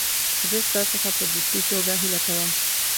زه ستا څخه په جدي توګه هیله کوم.